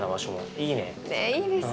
いいですね。